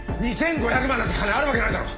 ２，５００万なんて金あるわけないだろ。